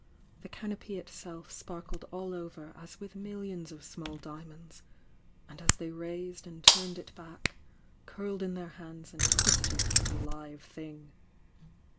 The canopy itself sparkled all over as with millions of small diamonds, — and as they raised and turned it back, curled in their hands and twisted like a live thing.